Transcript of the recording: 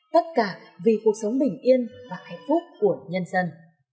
tất cả vì cuộc sống bình yên và hạnh phúc của nhân dân